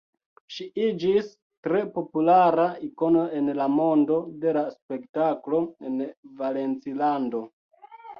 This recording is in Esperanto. Ŝi iĝis tre populara ikono en la mondo de la spektaklo en Valencilando.